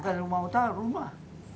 bukan rumah utama rumah